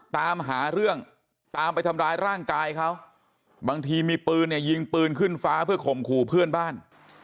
ตามหาเรื่องตามไปทำร้ายร่างกายเขาบางทีมีปืนเนี่ยยิงปืนขึ้นฟ้าเพื่อข่มขู่เพื่อนบ้าน